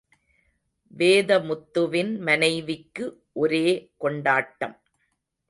வேதமுத்துவின் மனைவிக்கு ஒரே கொண்டாட்டம்.